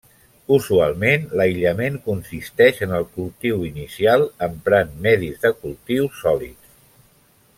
Usualment l'aïllament consisteix en el cultiu inicial emprant medis de cultiu sòlids.